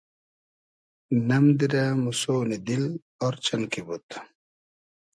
نئم دیرۂ موسۉنی دیل آر چئن کی بود